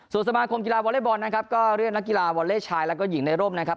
ส่วนสมาคมกีฬาวอเล็กบอลนะครับก็เรียกนักกีฬาวอลเล่ชายแล้วก็หญิงในร่มนะครับ